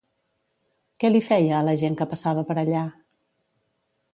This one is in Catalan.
Què li feia a la gent que passava per allà?